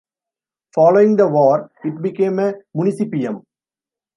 Following the war, it became a municipium.